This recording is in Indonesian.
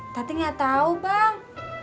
tati gak tau bang